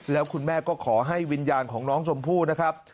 แล้วคุณแม่ก็ขอให้วิญญาณของน้องชมพู่นะครับ